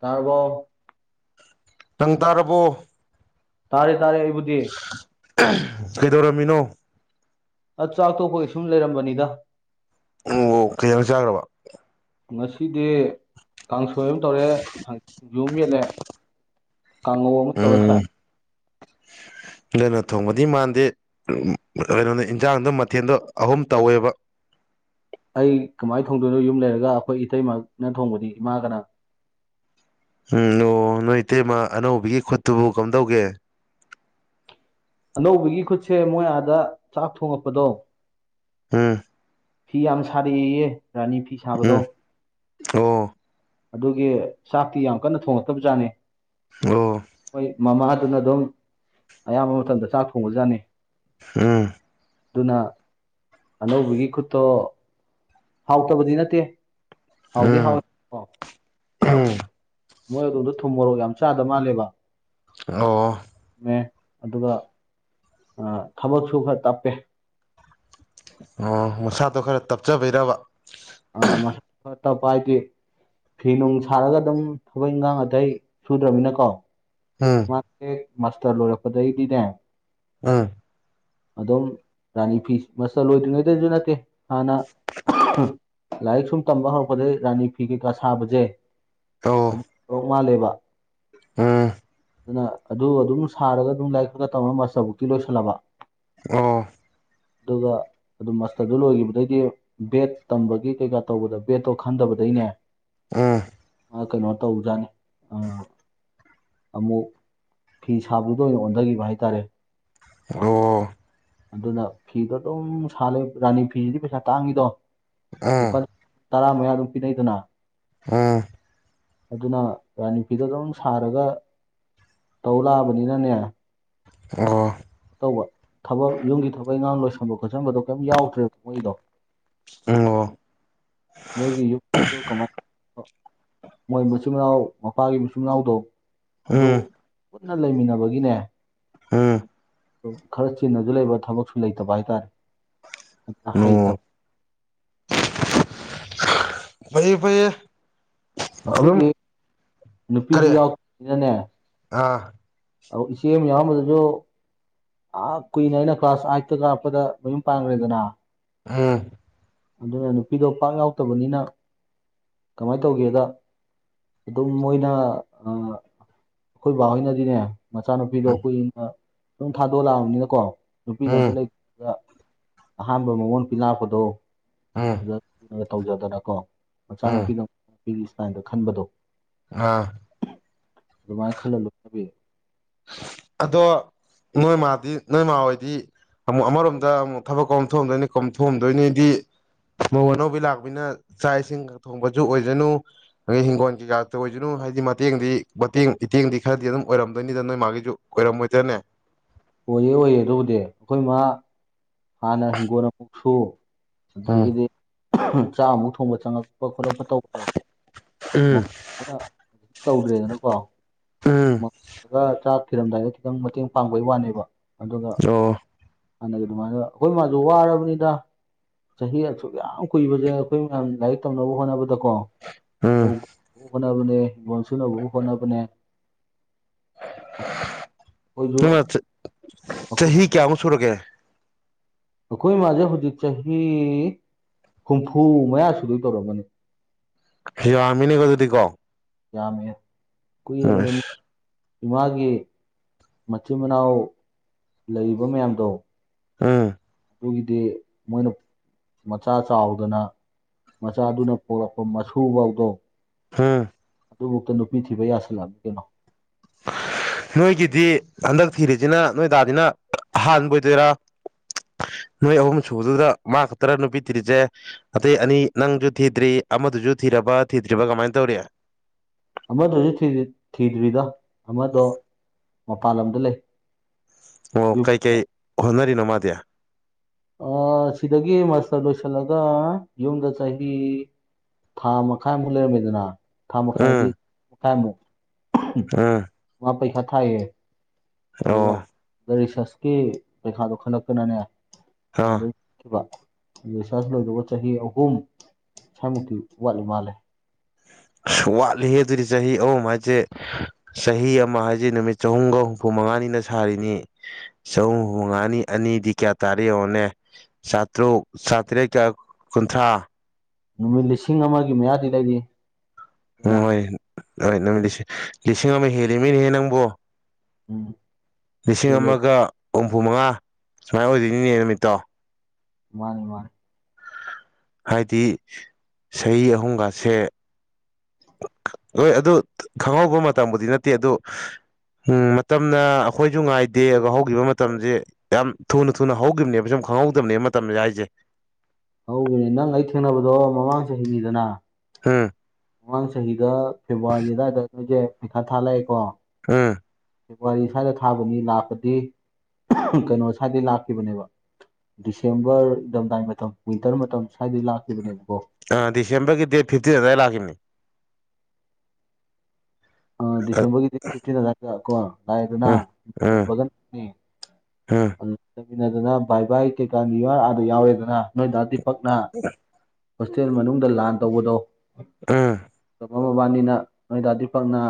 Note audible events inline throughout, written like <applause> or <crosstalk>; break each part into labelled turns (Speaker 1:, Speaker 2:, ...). Speaker 1: ꯇꯥꯔꯕꫭ
Speaker 2: ꯅꯪ ꯇꯥꯔꯕꯣ
Speaker 1: ꯇꯥꯔꯦ ꯇꯥꯔꯦ ꯑꯩꯕꯨꯗꯤ
Speaker 2: ꯀꯩꯗꯧꯔꯝꯃꯤꯅꯣ
Speaker 1: ꯑ ꯆꯥꯛ ꯇꯣꯛꯄꯒꯤ ꯁꯨꯝ ꯂꯩꯔꯝꯕꯅꯤꯗ
Speaker 2: ꯑꯣ ꯀꯩꯪ ꯀꯩꯖꯥꯡꯆꯥꯔꯕ
Speaker 1: ꯉꯁꯤꯗꯤ ꯀꯥꯡꯁꯣꯏ ꯑꯃ ꯇꯧꯔꯦ ꯊꯖꯨ ꯑꯃ ꯌꯦꯠꯂꯦ ꯀꯥꯉꯧ ꯑꯃ ꯇꯧꯔ ꯆꯥꯏ
Speaker 2: ꯎꯝ ꯅꯪꯅ ꯊꯣꯡꯕꯗꯤ ꯃꯥꯟꯗꯦ ꯀꯩꯅꯣꯅꯦ ꯏꯟꯁꯥꯡꯗꯣ ꯃꯊꯦꯜꯗꯣ ꯑꯍꯨꯝ ꯇꯧꯋꯦꯕ <inaudible>
Speaker 1: ꯑꯩ ꯀꯃꯥꯏꯅ ꯊꯣꯡꯗꯣꯏꯅꯣ ꯌꯨꯝ ꯂꯩꯔꯒ ꯑꯩꯈꯣꯏ ꯏꯇꯩꯃꯅ ꯊꯣꯡꯕꯗꯤ ꯏꯃꯥꯒꯅ
Speaker 2: ꯎꯝ ꯑꯣ ꯅꯣꯏ ꯏꯇꯩꯃ ꯑꯅꯧꯕꯒꯤ ꯈꯨꯠꯇꯨꯕꯨ ꯀꯝꯗꯧꯒꯦ
Speaker 1: ꯑꯅꯧꯕꯒꯤ ꯈꯨꯠꯁꯦ ꯃꯣꯏ ꯑꯥꯗ ꯆꯥꯛ ꯊꯣꯡꯉꯛꯄꯗꯣ
Speaker 2: ꯑꯝ
Speaker 1: ꯐꯤ ꯌꯥꯝ ꯁꯥꯔꯛꯑꯦꯌꯦ ꯔꯥꯅꯤ ꯐꯤ ꯁꯥꯕꯗꯣ
Speaker 2: ꯎꯝ ꯑꯣ
Speaker 1: ꯑꯗꯨꯒꯤ ꯆꯥꯛꯇꯤ ꯌꯥꯝ ꯀꯟꯅ ꯊꯣꯡꯉꯛꯇꯕꯖꯥꯠꯅꯤ
Speaker 2: ꯑꯣ
Speaker 1: ꯍꯣꯏ ꯃꯃꯥꯗꯨꯅ ꯑꯗꯨꯝ ꯑꯌꯥꯝꯕ ꯃꯇꯝꯗ ꯆꯥꯛ ꯊꯣꯡꯕꯖꯥꯠꯅꯤ
Speaker 2: ꯎꯝ
Speaker 1: ꯑꯗꯨꯅ ꯑꯅꯧꯕꯒꯤ ꯈꯨꯠꯇꯣ ꯍꯥꯎꯇꯕꯗꯤ ꯅꯠꯇꯦ ꯍꯥꯎꯗꯤ
Speaker 2: ꯎꯝ
Speaker 1: ꯍꯥꯎꯋꯦꯕꯀꫭ
Speaker 2: ꯎꯝ
Speaker 1: ꯃꯣꯏ ꯑꯗꫭꯝꯗ ꯊꯨꯝ ꯃꯣꯔꯣꯛ ꯌꯥꯝ ꯆꯥꯗ ꯃꯥꯜꯂꯦꯕ
Speaker 2: ꯑꯣ
Speaker 1: ꯑꯗꯨꯒ ꯊꯕꯛꯁꯨ ꯈꯔ ꯇꯞꯄꯦ
Speaker 2: ꯑꯣ ꯃꯁꯥꯗꯣ ꯈꯔ ꯇꯞꯆꯕꯤꯔꯕ
Speaker 1: ꯑ ꯃꯁ ꯇꯞꯄ ꯍꯥꯏꯗꯤ ꯐꯤ ꯅꯨꯡ ꯁꯥꯔꯒ ꯑꯗꯨꯝ ꯊꯕꯛ ꯏꯟꯈꯥꯡ ꯑꯇꯩ ꯁꯨꯗ꯭ꯔꯅꯤꯅꯀꯣ
Speaker 2: ꯎꯝ
Speaker 1: ꯃꯥ ꯃꯥꯁꯇꯔ ꯂꯣꯏꯔꯛꯄꯗꯩꯗꯤꯅꯦ
Speaker 2: ꯑꯝ
Speaker 1: ꯑꯗꯨꯝ ꯔꯥꯅꯤ ꯐꯤ ꯃꯁꯜ ꯂꯣꯏꯗ꯭ꯔꯤꯉꯩꯗꯁꯨ ꯅꯠꯇꯦ ꯍꯥꯟꯅ ꯂꯥꯏꯔꯤꯛ ꯁꯨꯝ ꯇꯝꯕ ꯍꯧꯔꯛꯄꯗꯒꯤꯩ ꯔꯥꯅꯤ ꯐꯤ ꯀꯩꯀꯥ ꯁꯥꯕꯁꯦ
Speaker 2: ꯑꯣ
Speaker 1: ꯑꯗꯨ ꯇꯧꯔꯛ ꯃꯥꯜꯂꯦꯕ
Speaker 2: ꯑ <unintelligible> <inaudible>
Speaker 1: ꯑꯗꯨꯅ ꯑꯗꯨ ꯑꯗꯨꯝ ꯁꯥꯔꯒ ꯑꯗꯨꯝ ꯂꯥꯏꯔꯤꯛ ꯈꯔ ꯈ ꯇꯧꯝꯕꯇꯕꯨꯛꯇꯤ ꯂꯣꯏꯁꯜꯂꯕ
Speaker 2: ꯑꯣ
Speaker 1: ꯑꯗꯨꯒ ꯑꯗꯨꯝ ꯃꯁꯇꯔꯗꯨ ꯂꯣꯏꯈꯤꯕꯩꯗꯤ ꯕꯦꯠ ꯇꯝꯕꯒꯤ ꯀꯩꯀꯥ ꯇꯧꯕꯗ ꯕꯦꯠꯇꯣ ꯈꯟꯗꯕꯗꯩꯅꯦ
Speaker 2: ꯑ
Speaker 1: ꯀꯩꯅꯣ ꯇꯧꯖꯥꯅꯤ ꯑꯃꯨꯛ ꯐꯤ ꯁꯥꯕꯗ ꯑꯣꯏꯅ ꯑꯣꯟꯊꯈꯤꯕ ꯍꯥꯏꯇꯥꯔꯦ
Speaker 2: ꯑꯣ
Speaker 1: ꯑꯗꯨꯅ ꯐꯤꯗꯣ ꯑꯗꯨꯝ ꯁꯥꯂꯦ ꯔꯥꯅꯤ ꯐꯤꯁꯤꯗꯤ ꯄꯩꯁꯥ ꯇꯥꯡꯉꯤꯗꯣ ꯂꯨꯄꯥ
Speaker 2: ꯑꯝ
Speaker 1: ꯇꯔꯥ ꯃꯌꯥ ꯑꯗꯨꯝ ꯄꯤꯅꯩꯗꯅ
Speaker 2: ꯎꯝ
Speaker 1: ꯑꯗꯨꯅ ꯔꯥ ꯅꯨ ꯐꯤꯗ ꯑꯗꯨꯝ ꯁꯥꯔꯒ ꯇꯧ ꯂꯥꯛꯑꯕꯅꯤꯅꯅꯦ
Speaker 2: ꯑꯣ
Speaker 1: ꯇꯧꯕ ꯊꯕꯛ ꯌꯨꯝꯒꯤ ꯊꯕꯛ ꯏꯪꯈꯥꯡ ꯂꯣꯏꯁꯟꯕ ꯈꯣꯠꯆꯟꯕꯗꯣ ꯀꯩꯝ ꯌꯥꯎꯗ꯭ꯔꯦꯕ ꯃꯣꯏꯗꯣ
Speaker 2: ꯑꯣꯨꯡꯉꯣ
Speaker 1: ꯃꯔꯒꯤ ꯌ ꯌ ꯀꯃꯥꯏ ꯃꯣꯏ ꯃꯆꯤꯟ ꯃꯅꯥꯎ ꯃꯄꯥꯒꯤ ꯃꯆꯤꯟ ꯃꯅꯥꯎꯗꯣ
Speaker 2: ꯎꯝ
Speaker 1: ꯑꯗꯨ
Speaker 2: ꯎꯝ
Speaker 1: ꯄꯨꯟꯅ ꯂꯩꯃꯤꯟꯅꯕꯒꯤꯅꯦ ꯈꯔ ꯆꯤꯟꯅꯁꯨ ꯂꯩꯕ ꯊꯕꯛꯁꯨ ꯂꯩꯇꯕ ꯍꯥꯏꯇꯥꯔꯦ
Speaker 2: ꯑꯣ
Speaker 1: ꯍꯩꯇꯕ
Speaker 2: ꯐꯩꯌꯦ ꯐꯌꯦ
Speaker 1: ꯑꯩꯈꯣꯏꯗꯤ ꯅꯨꯄꯤꯁꯨ
Speaker 2: ꯀꯔꯤ
Speaker 1: ꯌꯥꯎꯅꯤꯅꯅꯦ
Speaker 2: ꯑꯥ
Speaker 1: ꯏꯆꯦ ꯑꯃ ꯌꯥꯝꯕꯗꯁꯨ ꯑ ꯀꯨꯏꯅ ꯑꯩꯅ ꯀ꯭ꯂꯥꯁ ꯑꯥꯏꯠꯇ ꯀꯞꯄꯗ ꯃꯌꯨꯝ ꯄꯥꯟꯈ꯭ꯔꯦꯗꯅ
Speaker 2: ꯍꯥꯝ
Speaker 1: ꯑꯗꯨꯅ ꯅꯨꯄꯤꯗꯣ ꯄꯥꯛ ꯌꯥꯎꯇꯕꯅꯤꯅ ꯀꯃꯥꯏꯅ ꯇꯧꯒꯦꯗ ꯑꯗꯨꯝ ꯃꯣꯏꯅ ꯑꯩꯈꯣꯏ ꯕꯥꯍꯣꯏꯅꯗꯤꯅꯦ ꯃꯆꯥꯅꯨꯄꯤꯗꯣ
Speaker 2: ꯎꯝ
Speaker 1: ꯀꯈꯏꯅ ꯁꯝ ꯊꯥꯗꯣꯛꯂꯛꯑꯕꯅꯤꯅꯀꯣ ꯅꯨꯄꯤꯒ
Speaker 2: ꯎꯝ
Speaker 1: ꯑꯝꯇ ꯂꯩꯇ ꯑꯍꯥꯟꯕ ꯃꯉꯣꯟ ꯄꯤ ꯂꯥꯛꯄꯗꯣ
Speaker 2: ꯎꯝ
Speaker 1: ꯐꯖ ꯇꯧꯖꯗꯅꯀꯣ
Speaker 2: ꯎꯝ
Speaker 1: ꯃꯆꯥꯅꯨꯄꯤꯗꯄꯤꯒꯤ ꯏꯁꯇꯥꯏꯜꯗ ꯈꯟꯕꯗꯣ
Speaker 2: ꯑꯥ
Speaker 1: ꯑꯗꯨꯃꯥꯏꯅ ꯈꯜꯂ ꯂꯣꯏꯅꯕꯤ
Speaker 2: ꯑꯗꯣ ꯅꯣꯏ ꯃꯥꯗꯤ ꯅꯣꯏꯃꯥ ꯍꯣꯏꯗꯤ ꯑꯃꯨꯛ ꯑꯃꯔꯣꯝꯗ ꯑꯃꯨꯛ ꯊꯕꯛ ꯀꯣꯝꯊꯣꯛꯑꯗꯣꯏꯅꯤ ꯀꯣꯝꯊꯣꯛꯑꯝꯗꯣꯏꯅꯤꯗꯤ ꯃꯧ ꯑꯅꯧꯕꯤ ꯂꯥꯛꯄꯄꯤꯅ ꯆꯥꯛ ꯏꯁꯤꯡ ꯊꯣꯡꯕꯁꯨ ꯑꯣꯏꯁꯅꯨ ꯑꯗꯒꯤ ꯍꯤꯡꯒꯣꯜ ꯀꯩꯀꯥ ꯑꯣꯏꯖꯅꯨ ꯍꯥꯏꯗꯤ ꯃꯇꯦꯡꯗꯤ ꯃꯇꯦꯡ ꯏꯇꯦꯡꯗꯤ ꯈꯔꯗꯤ ꯑꯗꯨꯝ ꯑꯣꯏꯔꯝꯗꯣꯏꯅꯤꯗ ꯅꯣꯏ ꯃꯥꯒꯤꯁꯨ ꯑꯣꯏꯔꯝꯃꯣꯏꯗꯅꯦ
Speaker 1: ꯑꯣꯏꯌꯦ ꯑꯣꯏꯌꯦꯦ ꯑꯗꯨꯕꯨꯗꯤ ꯑꯩꯈꯣꯏ ꯃꯥ ꯍꯥꯟꯅ ꯍꯤꯡꯒꯣꯜ ꯑꯃꯨꯛꯁꯨ
Speaker 2: ꯎꯝ
Speaker 1: ꯑꯗꯨꯗꯒꯤꯗꯤ ꯆꯥꯛ ꯑꯃꯨꯛ ꯊꯣꯡꯕ ꯆꯪꯉꯛꯄ ꯈꯣꯠꯂꯛꯄ ꯇꯧꯕꯗꯣ
Speaker 2: ꯎꯝ
Speaker 1: ꯇꯧꯗ꯭ꯔꯦꯗꯅꯀꯣ
Speaker 2: ꯎꯝ
Speaker 1: ꯆꯥꯛ ꯊꯤꯔꯝꯗꯥꯏꯗ ꯈꯤꯇꯪ ꯃꯇꯦꯡ ꯄꯥꯡꯕꯒꯤ ꯋꯥꯅꯦꯕ ꯑꯗꯨꯒ
Speaker 2: ꯑꯣ
Speaker 1: ꯍꯥꯟꯅꯒꯤ ꯑꯗꯨꯃꯥꯏꯅ ꯑꯩꯈꯣꯏ ꯃꯥꯁꯨ ꯋꯥꯔꯕꯅꯤꯗ ꯆꯍꯤ ꯑꯁꯨꯛ ꯌꯥꯝ ꯀꯨꯏꯕꯁꯦ ꯑꯩꯈꯣꯏ ꯃꯌꯥꯝ ꯂꯥꯏꯔꯤꯛ ꯇꯧꯅꯕ ꯍꯣꯠꯅꯕꯗꯀꯣ
Speaker 2: ꯎꯝ
Speaker 1: ꯂꯧꯧꯅꯕ ꯍꯣꯠꯅꯕꯅꯦ ꯣꯟꯁꯨ ꯅꯧꯕꯕꯨ ꯍꯣꯠꯅꯕꯅꯦ
Speaker 2: <unintelligible>
Speaker 1: ꯑꯩꯈꯣꯏꯁꯨ
Speaker 2: ꯆꯍꯤ ꯀꯌꯥꯃꯨꯛ ꯁꯨꯔꯒꯦ
Speaker 1: ꯑꯩꯈꯣꯏ ꯏ ꯃꯥꯁꯦ ꯍꯧꯖꯤꯛ ꯆꯍꯤ ꯍꯨꯝꯐꯨ ꯃꯌꯥ ꯁꯨꯗꯣꯏ ꯇꯧꯔꯝꯃꯅꯤ
Speaker 2: ꯍꯤꯔ ꯑꯃꯃꯤꯅꯤꯀꯣ ꯑꯗꯨꯗꯤ ꯀꯣ
Speaker 1: ꯌꯥꯃꯤ
Speaker 2: ꯑ
Speaker 1: ꯏꯃꯥꯒꯤ ꯃꯆꯤꯟ ꯃꯅꯥꯎ ꯂꯩꯔꯤꯕ ꯃꯌꯥꯝꯗꯣ
Speaker 2: ꯑꯥ
Speaker 1: ꯑꯗꯨꯒꯤꯗꯤ ꯃꯣꯏꯅ ꯃꯆꯥ ꯆꯥꯎꯗꯅ ꯃꯆꯥꯗꯨꯅ ꯄꯣꯔꯛꯄ ꯃꯁꯨꯁꯨ ꯐꯧꯗꯣ
Speaker 2: ꯍꯥꯝ
Speaker 1: ꯑꯗꯨꯐꯥꯎꯛꯇ ꯅꯨꯄꯤ ꯊꯤꯕ ꯌꯥꯁꯤꯜꯂꯛ ꯀꯩꯅꯣ
Speaker 2: <inaudible> ꯅꯣꯏꯒꯤꯗꯤ ꯍꯟꯗꯛ ꯊꯤꯔꯤꯁꯤꯅ ꯅꯣꯏꯗꯥꯗꯤꯅ ꯑꯍꯥꯟꯕ ꯑꯣꯏꯗꯣꯏꯔꯥ ꯅꯣꯏ ꯑꯍꯨꯝ ꯁꯨꯕꯗꯨꯗ ꯃꯥ ꯈꯛꯇꯔ ꯅꯨꯄꯤ ꯊꯤꯔꯤꯁꯦ ꯑꯇꯩ ꯑꯅꯤ ꯅꯪꯁꯨ ꯊꯤꯗ꯭ꯔꯤ ꯑꯃꯗꯨꯁꯨ ꯊꯤꯔꯕ ꯊꯤꯗ꯭ꯔꯤꯕ ꯀꯃꯥꯏꯅ ꯇꯧꯔꯤ
Speaker 1: ꯑꯃꯗꯨꯁꯨ ꯊꯤꯗ꯭ꯔꯤꯗꯣ ꯑꯃꯗꯣ ꯃꯄꯥꯟ ꯂꯝꯗ ꯂꯩ
Speaker 2: ꯑꯣ ꯀꯩ
Speaker 1: ꯌꯨꯝꯗ
Speaker 2: ꯀꯩ ꯍꯅꯔꯤꯅꯣ ꯃꯥꯗꯤꯌꯥ
Speaker 1: ꯑ ꯁꯤꯗꯒꯦ ꯃꯥꯁꯥ ꯣꯁꯥꯂꯒ ꯌꯎꯟꯗ ꯆꯏ ꯊꯥꯃ ꯀꯥꯏ ꯃ ꯂꯩꯔꯃꯤꯗꯨꯅꯥ ꯊꯥ ꯃꯈꯥꯏꯗꯤ
Speaker 2: ꯎꯝ
Speaker 1: ꯃꯈꯥꯏ ꯑꯃꯨꯛ
Speaker 2: ꯎꯝ
Speaker 1: ꯃꯥ ꯄꯩꯁꯥ ꯊꯥꯏꯌꯦ
Speaker 2: ꯑꯣ
Speaker 1: ꯑꯗꯨꯒ ꯔꯤꯁꯔꯁꯀꯤ ꯄꯩꯈꯥꯗꯣ ꯈꯜꯂꯛꯛꯇꯅꯅꯦ
Speaker 2: ꯑꯥ
Speaker 1: ꯑꯗ ꯁꯔꯖ ꯂꯣꯏꯗꯧꯕ ꯆꯍꯤ ꯑꯍꯨꯝ ꯏꯁꯥꯃꯨꯛꯇꯤ ꯋꯥꯠꯂꯤ ꯃꯥꯜꯂꯦ
Speaker 2: <inaudible> ꯑ ꯋꯥꯠꯂꯤ ꯑꯗꯨꯗꯤ ꯆꯍꯤ ꯑꯍꯨꯝ ꯍꯥꯏꯁꯦ ꯆꯍꯤ ꯑꯃ ꯍꯥꯏꯁꯦ ꯅꯨꯃꯤꯠ ꯆꯍꯨꯝꯒ ꯍꯨꯝꯐꯨ ꯃꯉꯥꯅꯤ ꯑꯅ ꯁꯥꯔꯤꯅꯤ ꯆꯍꯨꯝ ꯃꯉꯥꯅꯤ ꯑꯅꯤꯗꯤ ꯀꯌꯥ ꯇꯥꯔꯤꯦ ꯌꯦꯡꯉꯣꯅꯦ ꯁꯥꯇ꯭ꯔꯣ ꯁꯥꯇ꯭ꯔꯦ ꯀꯌꯥ ꯀꯨꯟꯊ꯭ꯔꯥ
Speaker 1: ꯅꯨꯃꯤꯠ ꯂꯤꯁꯤꯡ ꯑꯃꯒꯤ ꯃꯌꯥꯗꯤ ꯂꯩꯔꯤ
Speaker 2: ꯎ
Speaker 1: ꯍꯦꯟꯅ
Speaker 2: ꯍꯣꯏ ꯍꯣꯏ ꯅꯨꯃꯤꯠ ꯂꯤꯁꯤꯡ ꯑꯃ ꯍꯦꯜꯂꯤꯃꯤꯅꯦꯍꯦ ꯅꯪꯕꯣ
Speaker 1: ꯎꯝ
Speaker 2: ꯂꯤꯁꯤꯡ
Speaker 1: ꯍꯦꯜꯂꯦꯕ
Speaker 2: ꯑꯃꯒ ꯍꯨꯝꯐꯨ ꯃꯉꯥ ꯁꯨꯃꯥꯏꯅ ꯑꯣꯏꯗꯣꯏꯅꯤꯅꯦ ꯅꯨꯃꯤꯠꯇꯣ
Speaker 1: ꯃꯥꯅꯤ ꯃꯥꯅꯤ
Speaker 2: ꯍꯥꯏꯗꯤ ꯆꯍꯤ ꯑꯍꯨꯝꯒꯁꯦ ꯍꯣꯏ ꯑꯗꯨ ꯈꯪꯍꯧꯕ ꯃꯇꯝꯕꯨꯗꯤ ꯅꯠꯇꯦ ꯑꯗꯨ ꯎꯝ ꯃꯇꯝꯅ ꯑꯩꯈꯣꯏꯁꯨ ꯉꯥꯏꯗꯦ ꯑꯗꯨꯒ ꯍꯧꯈꯤꯕ ꯃꯇꯝꯁꯦ ꯌꯥꯝ ꯊꯨꯅ ꯊꯨꯅ ꯍꯧꯈꯤꯕꯅꯦꯕ ꯁꯨꯝ ꯈꯪꯍꯧꯗꯕꯅꯦ ꯃꯇꯝꯁ ꯍꯥꯏꯁꯦ
Speaker 1: ꯍꯧꯕꯅꯦ ꯅꯪ ꯑꯩ ꯊꯦꯡꯅꯕꯗꯣ ꯃꯃꯥꯡꯁꯨ ꯍꯤꯡꯉꯤꯗꯅ
Speaker 2: ꯎꯝ
Speaker 1: ꯐꯦꯕꯋꯥꯔꯤ ꯑꯗꯨꯋꯥꯏꯗ ꯅꯣꯏꯁꯦ ꯄꯩꯈꯥ ꯊꯥꯂꯛꯑꯦꯀꯣ
Speaker 2: ꯎꯝ
Speaker 1: ꯐꯦꯕꯋꯥꯔꯤ ꯁ꯭ꯋꯥꯏꯗ ꯊꯥꯕꯅꯤ ꯂꯥꯛꯄꯗꯤ ꯀꯩꯅꯣ ꯁ꯭ꯋꯥꯏꯗꯩ ꯂꯥꯛꯈꯤꯕꯅꯦꯕ ꯗꯤꯁꯦꯝꯕꯔ ꯏꯊꯝꯗꯥꯏ ꯃꯇꯝ ꯋꯤꯟꯇꯔ ꯃꯇꯝ ꯁ꯭ꯋꯥꯏꯗꯩ ꯂꯥꯛꯈꯤꯕꯅꯦꯕꯀꯣ
Speaker 2: ꯑ ꯗꯤꯁꯦꯝꯕꯔꯒꯤ ꯗꯦꯠ ꯐꯤꯐꯇꯤꯟ ꯑꯗꯨꯗ ꯂꯥꯛꯈꯤꯕꯅꯤ
Speaker 1: ꯑ ꯗꯤꯁꯦꯝꯕꯔꯒꯤ ꯐꯤꯇꯤꯟ ꯀ ꯀꯣ
Speaker 2: ꯎꯝ ꯎꯝ
Speaker 1: ꯗꯅꯟꯅꯤ
Speaker 2: ꯎꯝ
Speaker 1: ꯃꯤꯟꯅꯗꯅ ꯚꯥꯏ ꯚꯥꯏ ꯀꯩꯀꯥꯅꯤ ꯑꯥꯗ ꯌꯥꯎꯋꯦꯗꯅ ꯅꯣꯏ ꯗꯥꯥꯗꯤ ꯄꯛꯅ ꯍꯣꯁꯇꯦꯜ ꯃꯅꯨꯡꯗ ꯂꯥꯟ ꯇꯧꯕꯗꯣ
Speaker 2: ꯑꯥ
Speaker 1: ꯃꯃꯕꯥꯅꯤꯅ ꯅꯣꯏ ꯗꯥꯗꯤ ꯄꯛꯅ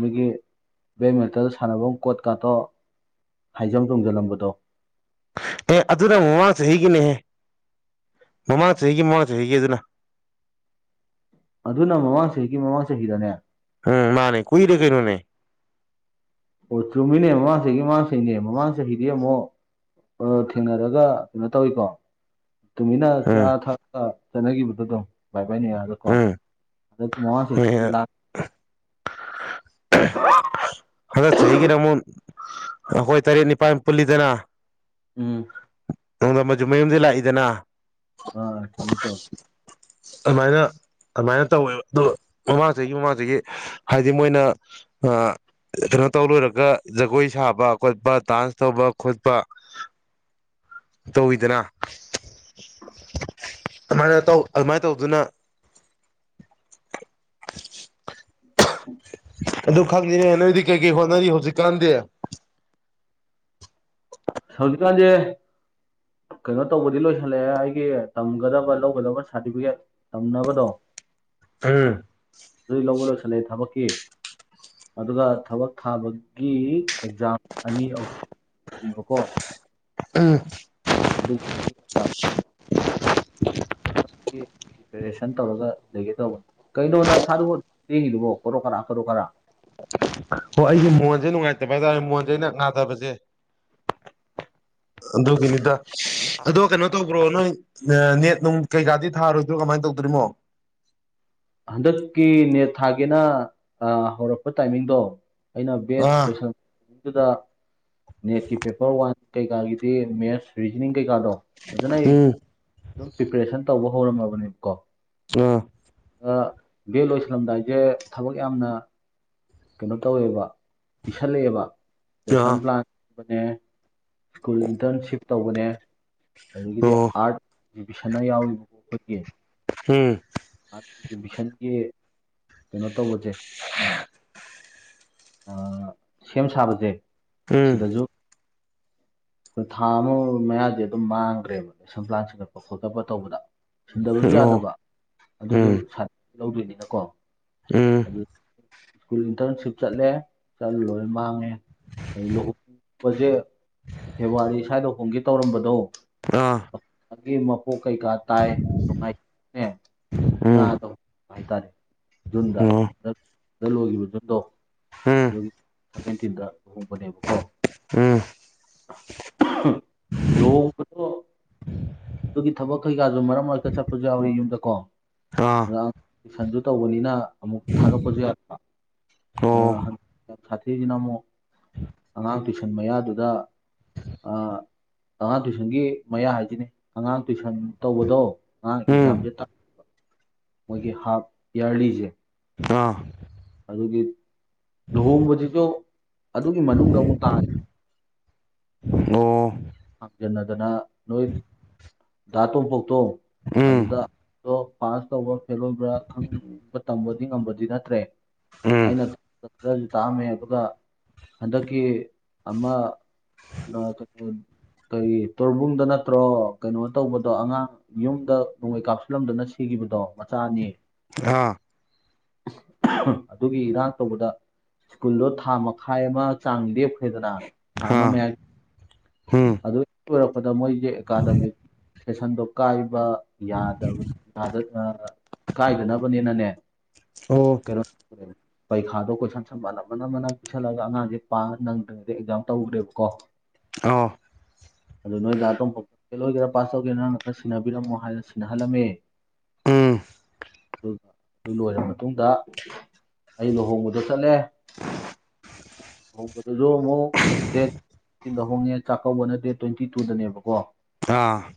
Speaker 1: ꯃꯤꯒꯤ ꯕꯦꯠꯃꯤꯟꯇꯜ ꯁꯥꯟꯅꯐꯝ ꯀꯣꯠꯀꯇꯣ ꯍꯥꯏꯖꯝ ꯇꯣꯡꯖꯤꯜꯂꯝꯕꯗꯣ
Speaker 2: ꯑꯦ ꯑꯗꯨꯅ ꯃꯃꯥꯡ ꯆꯍꯤ ꯍꯒꯤꯅꯦꯍꯦ ꯃꯃꯥꯡ ꯆꯍꯤ ꯍꯩꯒ ꯃꯃꯥꯡꯁꯨ ꯍꯩꯒ ꯑꯗꯨꯅ
Speaker 1: ꯑꯗꯨꯅ ꯃꯃꯥꯡ ꯆꯍꯤꯒꯤ ꯃꯃꯥꯡ ꯆꯍꯤꯗꯅꯦ
Speaker 2: ꯎꯝ ꯃꯥꯅꯦ ꯀꯨꯏꯗ ꯀꯦꯅꯨꯅꯦ
Speaker 1: ꯑꯣ ꯆꯨꯝꯃꯤꯅꯦ ꯃꯃꯥꯡ ꯆꯍꯤꯒꯤ ꯃꯃꯥꯡ ꯆꯍꯤꯅꯦ ꯃꯃꯥꯡ ꯆꯍꯤ ꯍꯗꯤ ꯑꯃꯨꯣ ꯑ ꯊꯦꯡꯅꯔꯒ ꯀꯩꯅꯣ ꯇꯧꯋꯤꯀꯣ ꯇꯨꯃꯤꯟꯅ ꯆꯥ
Speaker 2: ꯎꯝ
Speaker 1: ꯊꯛ ꯆꯠꯅꯈꯤꯕꯗꯨꯣ ꯑꯗꯨꯝ ꯅꯤꯔꯀ
Speaker 2: ꯎꯝ
Speaker 1: ꯑꯗꯨ ꯃꯑꯣ
Speaker 2: ꯍꯣꯏ
Speaker 1: ꯁꯤꯂ ꯍ
Speaker 2: ꯍꯟꯗꯛ ꯆꯍꯤꯒꯤꯔ ꯑꯃꯨꯛ ꯑꯩꯈꯣꯏ ꯇꯔꯦꯠ ꯅꯤꯄꯥꯜ ꯄꯨꯜꯂꯤꯗꯅ
Speaker 1: ꯎꯝ
Speaker 2: ꯆꯨ ꯃꯌꯨꯝꯗ ꯂꯥꯛꯏꯗꯅ
Speaker 1: ꯑꯥ ꯆꯃꯤ ꯆꯧ
Speaker 2: ꯑꯗꯨꯃꯥꯏꯅ ꯑꯗꯨꯃꯥꯏꯅ ꯇꯧꯋꯦꯕ ꯑꯗꯣ ꯃꯃꯥꯁꯤꯒꯤ ꯃꯃꯥꯁꯤꯒꯤ ꯍꯥꯏꯗꯤ ꯃꯣꯏꯅ ꯀꯩꯅꯣ ꯇꯧ ꯂꯣꯏꯔꯒ ꯖꯒꯣꯏ ꯁꯥꯕ ꯈꯣꯠꯄ ꯗꯥꯟꯁ ꯇꯧꯕ ꯈꯣꯠꯄ ꯇꯧꯋꯤꯗꯅ ꯑꯗꯨꯃꯥꯏꯅ ꯇꯧ ꯑꯗꯨꯃꯥꯏꯅ ꯇꯧꯗꯨꯅ ꯑꯗꯨ ꯈꯪꯉꯤꯅꯦ ꯅꯣꯏꯗꯤ ꯀꯩꯀꯩ ꯍꯣꯠꯅꯔꯤ ꯍꯧꯖꯤꯛꯀꯥꯟꯗꯦ
Speaker 1: ꯁꯖꯤꯀꯥꯟꯗꯦ ꯀꯩꯅꯣ ꯇꯧꯕꯗꯤ ꯂꯣꯏꯁꯤꯜꯂꯛꯑꯦ ꯑꯩꯒꯤ ꯇꯝꯒꯗꯕ ꯂꯧꯒꯗꯕ ꯁꯥꯔꯇꯤꯐꯤꯀꯦꯠ ꯇꯝꯅꯕꯗꯣ
Speaker 2: ꯎꯝ
Speaker 1: ꯆꯂꯦ ꯊꯕꯀꯤꯦ ꯑꯗꯨꯒ ꯊꯕꯛ ꯊꯥꯕꯒꯤ ꯑꯦꯛꯖꯥꯝ ꯑꯅꯤ ꯑꯍꯨꯝ ꯄꯕꯀꯣ
Speaker 2: ꯎꯝ
Speaker 1: ꯑ ꯆꯞ ꯑꯒꯤ ꯭ꯔꯤꯄꯦꯔꯦꯁꯟ ꯇꯧꯔꯒ ꯂꯩꯒꯦ ꯇꯧꯕꯅꯤ ꯀꯩꯅꯣ ꯅ ꯁꯥ ꯌꯦꯡꯉꯤꯗꯨꯕꯣ ꯀꯔꯣ ꯀꯔꯥ ꯀꯔꯣ ꯀꯔꯥ
Speaker 2: ꯑꯣ ꯑꯩꯒꯤ ꯃꯣꯟꯁꯦ ꯅꯨꯡꯉꯥꯏꯇꯕ ꯍꯥꯏꯇꯥꯔꯦ ꯃꯣꯟꯁꯦ ꯑꯩꯅ ꯅꯥꯗꯕꯁꯦ ꯑꯗꯨꯒꯤꯅꯤꯗ ꯑꯗ ꯀꯩꯅꯣ ꯇꯧꯕ꯭ꯔꯣ ꯅꯣꯏ ꯅꯦꯠ ꯅꯨꯡ ꯀꯩꯀꯥꯗꯤ ꯊꯥꯔꯣꯏꯗ꯭ꯔꯣ ꯀꯃꯥꯏꯅ ꯇꯧꯗꯣꯔꯤꯃꯣ
Speaker 1: ꯍꯟꯗꯛꯀꯤ ꯅꯦꯠ ꯊꯥꯒꯤꯅ ꯍꯧꯔꯛꯄ ꯇꯥꯏꯃꯤꯡꯗꯣ ꯑꯩꯅ ꯕꯦꯠ
Speaker 2: ꯑꯥ
Speaker 1: ꯂꯣꯏꯁꯟꯕ ꯃꯇꯝꯗꯨꯗ ꯅꯦꯠꯀꯤ ꯄꯦꯄꯔ ꯋꯥꯟ ꯀꯩꯀꯥꯒꯤꯗꯤ ꯃꯦꯠꯁ ꯔꯤꯖꯅꯤꯡ ꯀꯩꯀꯥꯗꯣ ꯐꯖꯅ ꯑꯩ
Speaker 2: ꯎꯝ
Speaker 1: ꯑꯗꯨꯝ ꯄ꯭ꯔꯤꯄꯦꯔꯦꯁꯟ ꯇꯧꯕ ꯍꯧꯔꯝꯃꯕꯅꯦꯕ ꯀꯣ
Speaker 2: ꯑꯥ
Speaker 1: ꯂꯚꯦꯜ ꯂꯣꯏꯁꯜꯂꯝꯗꯥꯏꯁꯦ ꯊꯕꯛ ꯌꯥꯝꯅ ꯀꯩꯅꯣ ꯇꯧꯋꯦꯕ ꯄꯤꯁꯜꯂꯛꯑꯦꯕ ꯔꯦꯁꯟ
Speaker 2: ꯑꯥ
Speaker 1: ꯄ꯭ꯂꯥꯟ ꯁ꯭ꯀꯨꯜ ꯏꯟꯇꯔꯟꯁꯤꯞ ꯇꯧꯕꯅꯦ ꯑꯗꯒꯤꯗꯤ
Speaker 2: ꯑꯣ
Speaker 1: ꯑꯥꯔꯠ ꯑꯦꯛꯖꯤꯕꯤꯁꯟꯅ ꯌꯥꯎꯔꯤꯕꯕꯨꯣ ꯑꯩꯈꯣꯏꯒꯤ
Speaker 2: ꯎꯝ
Speaker 1: ꯑꯦꯛꯃꯤꯁꯟꯒꯤ ꯀꯩꯅꯣ ꯇꯧꯕꯁꯦ ꯎꯝ ꯁꯦꯝ ꯁꯥꯕꯁꯦ
Speaker 2: ꯎꯝ
Speaker 1: ꯁꯤꯗꯁꯨ ꯑꯩꯈꯣꯏ ꯊꯥ ꯑꯃ ꯃꯌꯥꯗꯤ ꯑꯗꯨꯝ ꯃꯥꯡꯈ꯭ꯔꯦꯕ ꯅꯦꯁꯟ ꯄ꯭ꯂꯥꯟ ꯆꯒꯠꯄ ꯈꯣꯀꯠꯄ ꯇꯧꯕꯗ ꯁꯤꯟꯗꯕꯁꯨ
Speaker 2: ꯑꯣ
Speaker 1: ꯌꯥꯗꯕ ꯑꯗꯨꯁꯨ
Speaker 2: ꯎꯝ
Speaker 1: ꯂꯧꯗꯣꯏꯅꯤꯅꯀꯣ
Speaker 2: ꯎꯝ
Speaker 1: ꯑꯗꯨ ꯁ꯭ꯀꯨꯜ ꯏꯟꯇꯔꯟꯁꯤꯞ ꯆꯠꯂꯦ ꯆꯠꯂꯨ ꯂꯣꯏ ꯃꯥꯡꯉꯦ ꯂꯁꯦ ꯀ ꯁ꯭ꯋꯥꯗꯧꯈꯨꯝꯒꯤ ꯇꯧꯔꯝꯕꯗꯣ
Speaker 2: ꯑꯥ
Speaker 1: ꯒꯤ ꯃꯄꯣꯛ ꯀꯩꯀꯥ ꯇꯥꯏ
Speaker 2: ꯎꯝ
Speaker 1: ꯅꯨꯡꯉꯥꯏꯉꯥꯗ ꯍꯥꯏꯇꯥꯔꯦ ꯖꯨꯟꯗ
Speaker 2: ꯑꯣ
Speaker 1: ꯍꯗ ꯂꯣꯏꯈꯤꯕ ꯖꯨꯟꯗꯣ
Speaker 2: ꯎꯝ
Speaker 1: ꯑꯗꯨꯒꯤ ꯁꯚꯦꯟꯇꯤꯟꯗ ꯑꯍꯧꯕꯅꯦꯕꯀꯣ
Speaker 2: ꯎꯝ
Speaker 1: ꯂ ꯑꯗꯨꯒꯤ ꯊꯕꯛ ꯀꯩꯀꯥꯁꯨ ꯃꯔꯛ ꯃꯔꯛꯇ ꯆꯠꯄꯁꯨ ꯌꯥꯎꯔꯤ ꯌꯨꯝꯗ ꯀꯣ
Speaker 2: ꯑꯥ
Speaker 1: ꯑ ꯇ꯭ꯏꯁꯟꯁꯨ ꯇꯧꯕꯅꯤꯅ ꯑꯃꯨꯛ ꯊꯥꯗꯣꯛꯄꯁꯨ ꯌꯥ
Speaker 2: ꯑꯣ
Speaker 1: ꯁꯥꯇ꯭ꯔꯤꯁꯤꯅ ꯑꯃꯨꯛ ꯑꯉꯥꯡ ꯇꯨꯏꯁꯟ ꯃꯌꯥꯗꯨꯗ
Speaker 2: <unintelligible>
Speaker 1: ꯑꯉꯥꯡ ꯇꯨꯏꯁꯟꯒꯤ ꯃꯌꯥ ꯍꯥꯏꯁꯤꯅꯦ ꯑꯉꯥꯡ ꯇꯨꯏꯁꯟ ꯇꯧꯕꯗꯣ ꯑꯉꯥꯡ
Speaker 2: ꯎꯝ
Speaker 1: ꯑꯦꯛꯖꯥꯝꯁꯦ ꯇꯥꯛ ꯃꯣꯏꯒꯤ ꯍꯥꯞ ꯏꯌꯥꯔꯂꯤꯁꯦ
Speaker 2: ꯑꯥ
Speaker 1: ꯑꯗꯨꯒꯤ ꯂꯨꯍꯣꯡꯕꯁꯤꯁꯨ ꯑꯗꯨꯒꯤ ꯃꯅꯨꯡꯗ ꯑꯃꯨꯛ ꯇꯥ
Speaker 2: ꯑꯣ
Speaker 1: ꯍꯥꯡꯖꯟꯅꯗꯅ ꯅꯣꯏ ꯗꯥꯥꯇꯣꯝꯄꯣꯛꯇꯣ ꯑꯗꯨꯗ
Speaker 2: ꯎꯝ
Speaker 1: ꯑꯣ ꯄꯥꯁ ꯇꯧꯕ ꯐꯦꯜ ꯑꯣꯏꯕ꯭ꯔꯥ ꯈꯪꯕ ꯇꯝꯕꯗꯤ ꯉꯝꯕꯗꯤ ꯅꯠꯇ꯭ꯔꯦ
Speaker 2: ꯎꯝ
Speaker 1: ꯑꯩꯅ ꯈꯔꯁꯨ ꯇꯥꯝꯃꯦ ꯑꯗꯨꯒ ꯍꯟꯗꯛꯀꯤ ꯑꯃ ꯅ ꯇ ꯀꯩ ꯇꯣꯔꯕꯨꯡꯗ ꯅꯠꯇ꯭ꯔꯣ ꯀꯩꯅꯣ ꯇꯧꯕꯗꯣ ꯑꯉꯥꯡ ꯌꯨꯝꯗ ꯅꯣꯡꯃꯩ ꯀꯥꯞꯁꯤꯜꯂꯝꯗꯅ ꯁꯤꯒ ꯕꯗꯣ ꯃꯆꯥꯅꯤ
Speaker 2: ꯑꯥ
Speaker 1: <unintelligible> ꯑꯗꯨꯒꯤ ꯏꯔꯥꯡ ꯇꯧꯕꯗ ꯁ꯭ꯀꯨꯜꯗꯣ ꯊꯥ ꯃꯈꯥꯏ ꯑꯃ ꯆꯥꯡ ꯂꯦꯞꯈ꯭ꯔꯦꯗꯅ ꯊꯃ ꯃ
Speaker 2: ꯑꯥ
Speaker 1: ꯌꯥ
Speaker 2: ꯎꯝ
Speaker 1: ꯑꯗꯨ ꯑꯣꯏꯔꯛꯄꯗ ꯃꯣꯏꯁꯦ ꯑꯦꯀꯥꯗꯃꯤꯛ ꯐꯦꯁꯟꯗꯣ ꯀꯥꯏꯕ ꯌꯥꯗꯕ ꯌꯥ ꯀꯥꯏꯗꯅꯕꯅꯦꯅꯅꯦ
Speaker 2: ꯑꯣ
Speaker 1: ꯀꯩꯅꯣ ꯄꯩꯈꯥꯗꯣ ꯀꯣꯏꯁꯟ ꯁꯟꯕꯥ ꯑꯃꯅ ꯑꯃꯅ ꯄꯤꯁꯜꯂꯒ ꯑꯉꯥꯡꯁꯦ ꯄꯥ ꯅꯪꯗ꯭ꯔꯤꯩꯗꯒꯤꯩ ꯑꯦꯛꯖꯥꯝ ꯇꯧ ꯎꯔꯦꯕꯀꯣ
Speaker 2: ꯑ
Speaker 1: ꯑꯗꯨ ꯅꯣꯏꯗ ꯑꯇꯣꯝꯄꯥꯎ ꯐꯦꯜ ꯑꯣꯏꯒꯦꯔꯥ ꯄꯥꯁ ꯇꯧꯒꯦꯔꯥ ꯅꯪꯅ ꯈꯔ ꯁꯤꯟꯅꯕꯤꯔꯝꯃꯣ ꯍꯥꯏꯅ ꯁꯤꯟꯅꯍꯜꯂꯝꯃꯦ
Speaker 2: ꯎꯝ
Speaker 1: ꯑꯗꯨ ꯂꯣꯏꯔꯕ ꯃꯇꯨꯡꯗ ꯑꯩ ꯂꯨꯍꯣꯡꯕꯗ ꯆꯠꯂꯦ ꯍ ꯗꯦ ꯇꯤꯟꯗ ꯍꯣꯡꯉꯦ ꯆꯥꯛꯀꯧꯕꯅꯠꯇꯦ ꯇ꯭ꯋꯦꯟꯇꯤ ꯇꯨꯗꯅꯦꯕꯀꯣ
Speaker 2: ꯎꯝ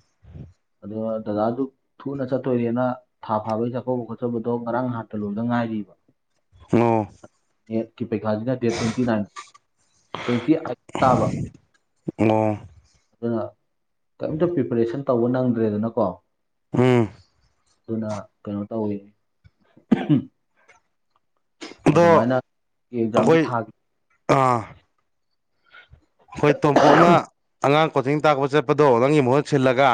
Speaker 1: ꯑꯗꯨꯒ ꯗꯗꯥꯁꯨ ꯊꯨꯅ ꯆꯠꯇꯣꯏꯔꯦꯅ ꯊꯥ ꯐꯥꯕꯒꯤ ꯆꯥꯛꯀꯧꯕ ꯈꯣꯠꯆꯧꯕꯗꯣ ꯉꯔꯥꯡ ꯍꯥꯥꯟꯠꯇ ꯂꯣꯝꯗ ꯉꯥꯏ ꯔꯤꯕ
Speaker 2: ꯍ
Speaker 1: ꯄꯩ ꯈꯥꯖꯤꯅ ꯗꯦ ꯇ꯭ꯋꯦꯟꯇꯤꯟ ꯇ ꯇꯥꯕ
Speaker 2: ꯑ
Speaker 1: ꯑꯗꯨꯅ ꯀꯩꯝꯇ ꯄ꯭ꯔꯤꯄꯦꯔꯦꯁꯟ ꯇꯧꯕ ꯅꯪꯗ꯭ꯔꯦꯗꯅꯀꯣ ꯑꯗꯨꯅ ꯀꯩꯅꯣ ꯇꯧꯋꯤ
Speaker 2: ꯑꯗꯣ
Speaker 1: ꯑꯗꯨꯃꯥꯏꯅ ꯑꯦꯛꯖꯥꯝꯗꯤ
Speaker 2: ꯑꯩꯈꯣꯏ
Speaker 1: ꯊꯥꯈꯤ
Speaker 2: ꯑꯥ ꯑꯩꯈꯣꯏ ꯇꯣꯝꯄꯣꯛꯅ ꯑꯉꯥꯡ ꯀꯣꯆꯤꯡ ꯇꯥꯛꯄ ꯆꯠꯄꯗꯣ ꯅꯪꯒꯤ ꯃꯍꯨꯠ ꯁꯤꯜꯂꯒ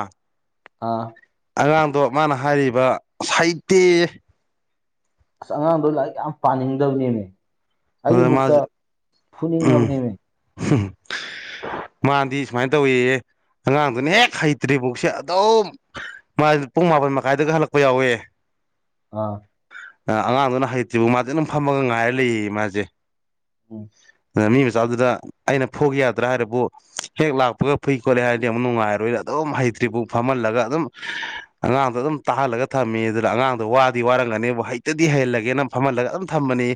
Speaker 2: ꯑꯉꯥꯡꯗꯣ ꯃꯥꯅ ꯍꯥꯏꯔꯤꯕ ꯁꯩꯇꯦ
Speaker 1: ꯑꯁ ꯑꯉꯥꯡꯗꯣ ꯂꯥꯏꯔꯤꯛ ꯌꯥꯝ ꯄꯥꯅꯤꯡꯗꯕꯅꯦꯅꯦ
Speaker 2: ꯑ ꯃꯥ ꯎꯝ
Speaker 1: ꯐꯨꯅꯤꯡꯉꯕꯅꯦꯃꯤ
Speaker 2: ꯃꯥꯥꯟꯗꯤ ꯁꯨꯃꯥꯏꯅ ꯇꯧꯏꯌꯦ ꯑꯉꯥꯡꯗꯨꯅ ꯍꯦꯛ ꯍꯩꯇ꯭ꯔꯤꯐꯥꯎꯁꯦ ꯑꯗꯨꯝ ꯃꯥ ꯄꯨꯡ ꯃꯥꯄꯟ ꯃꯈꯥꯏꯒ ꯍꯜꯂꯛꯄ ꯌꯥꯎꯋꯦ <unintelligible>
Speaker 1: ꯑꯥ
Speaker 2: ꯑꯉꯥꯡꯗꯨꯅ ꯍꯩꯇ꯭ꯔꯤꯕ ꯃꯥꯗꯤꯦ ꯑꯗꯨꯝ ꯐꯝꯃꯒ ꯉꯥꯏꯔ ꯂꯩꯌꯦ ꯃꯥꯁꯦ
Speaker 1: ꯎꯝ
Speaker 2: ꯑꯗꯨꯅ ꯃꯤ ꯃꯆꯥꯗꯨꯗ ꯑꯩꯅ ꯐꯨꯒ ꯌꯥꯗ꯭ꯔꯥ ꯍꯥꯏꯔꯕꯨ ꯍꯦꯛ ꯂꯥꯛꯄꯒ ꯐꯨꯏ ꯈꯣꯠꯂꯦ ꯍꯥꯏꯔꯗꯤ ꯑꯃꯨꯛ ꯅꯨꯡꯉꯥꯏꯔꯣꯏꯔꯥ ꯑꯗꯨꯝ ꯑꯗꯨꯝ ꯍꯩꯇ꯭ꯔꯤꯕꯨ ꯐꯝꯍꯜꯂꯒ ꯑꯗꯨꯝ ꯑꯉꯥꯡꯗꯣ ꯑꯗꯨꯝ ꯇꯥꯍꯜꯂꯒ ꯊꯝꯃꯤ ꯑꯗꯨꯅ ꯑꯉꯥꯡꯗꯣ ꯋꯥꯗꯤ ꯋꯥꯔ ꯍꯩꯇꯗꯤ ꯍꯩꯍꯜꯂꯒꯦꯅ ꯐꯝꯍꯜꯂꯒ ꯑꯗꯨꯝ ꯊꯝꯕꯅꯤ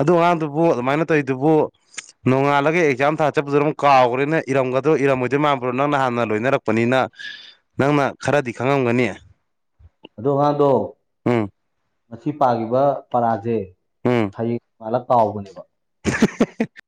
Speaker 2: ꯑꯗꯨ ꯑꯉꯥꯡꯗꯨꯕꯨ ꯑꯗꯨꯃꯥꯏꯅ ꯇꯧꯔꯤꯗꯨꯕꯨ ꯅꯣꯡꯉꯥꯜꯂꯒ ꯑꯦꯛꯖꯥꯝ ꯊꯥ ꯆꯠꯄꯗꯨ ꯑꯗꯨꯝ ꯀꯥꯎꯈ꯭ꯔꯦꯅ ꯏꯔꯝꯒꯗꯣꯏ ꯏꯔꯝꯃꯣꯏꯗꯣꯏ ꯃꯄꯨꯔꯣ ꯅꯪꯅ ꯍꯥꯟꯅ ꯂꯣꯏꯅꯔꯛꯄꯅꯤꯅ ꯅꯪꯅ ꯈꯔꯗꯤ ꯈꯪꯉꯝꯒꯅꯤ
Speaker 1: ꯑꯗꯣ ꯉꯗꯣ
Speaker 2: ꯎꯝ
Speaker 1: ꯃꯁꯤ ꯄꯥꯈꯤꯕ ꯄꯔꯥꯁꯦ
Speaker 2: ꯎꯝ
Speaker 1: ꯍꯌꯦꯡ ꯄꯥꯜꯂꯒ ꯀꯥꯎꯕꯅꯦꯕ
Speaker 2: <unintelligible>